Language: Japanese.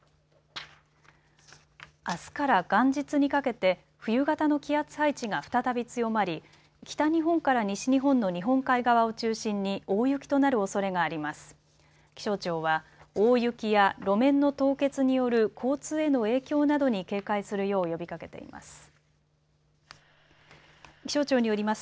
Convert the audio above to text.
あすから元日にかけて冬型の気圧配置が再び強まり北日本から西日本の日本海側を中心に大雪となるおそれがあります。